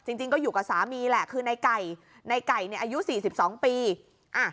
จริงจริงก็อยู่กับสามีแหละคือในไก่ในไก่เนี่ยอายุสี่สิบสองปีอ่ะ